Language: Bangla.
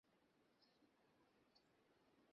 সুরাজ, আমার টিম চারদিক ঘেরাও করবে।